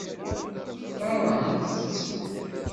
Textaṛemt-tt?